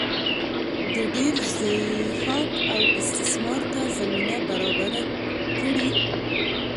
د ډېر زبېښاک او استثمار ته زمینه برابره کړي.